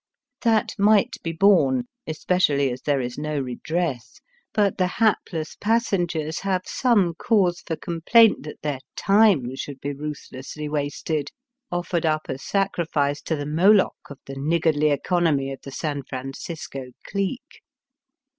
That might be borne, especially as there is no redress ; but the hapless passengers have some cause for complaint that their time should be ruthlessly wasted, offered up a sacri fice to the Moloch of the niggardly economy of the San Francisco clique.